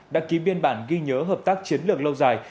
đã ký biên bản ghi nhớ hợp tác chiến lược lâu dài